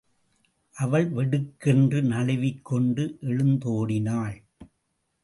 அவள் வெடுக்கென்று நழுவிக் கொண்டு எழுந்தோடினாள்.